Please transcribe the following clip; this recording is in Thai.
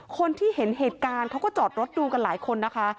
คนที่เห็นเหตุการณ์เขาก็จอดรถดูกันหลายคนนะคะ